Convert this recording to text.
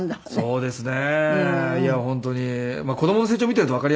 そうですね。